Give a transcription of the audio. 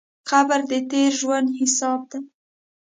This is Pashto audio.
قبر د تېر ژوند حساب دی.